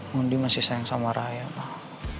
mundi masih sayang sama raya pak